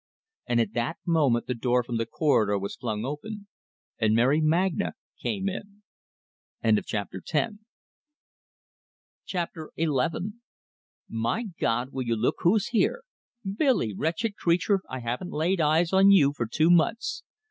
And at that moment the door from the corridor was flung open, and Mary Magna came in. XI "My God, will you look who's here! Billy, wretched creature, I haven't laid eyes on you for two months!